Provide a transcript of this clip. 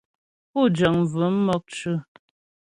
Pú jəŋ bvʉ̂m mɔkcʉ̌.